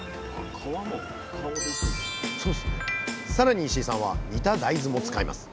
さらに石井さんは煮た大豆も使います。